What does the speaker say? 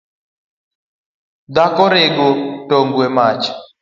Dhako rego togwe mach